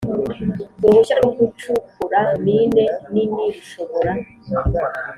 Uruhushya rwo gucukura mine nini rushobora